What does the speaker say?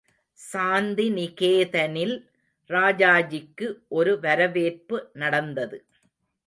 சாந்திநிகேதனில் ராஜாஜிக்கு ஒரு வரவேற்பு நடந்தது.